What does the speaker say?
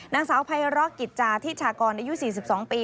นางสาวไพร้อกิจจาธิชากรอายุ๔๒ปี